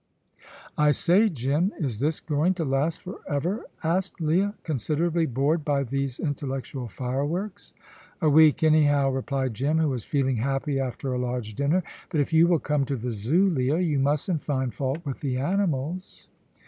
"I say, Jim, is this going to last for ever?" asked Leah, considerably bored by these intellectual fireworks. "A week, anyhow," replied Jim, who was feeling happy after a large dinner; "but if you will come to the Zoo, Leah, you mustn't find fault with th' animals."